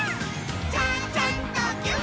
「ちゃちゃんとぎゅっ」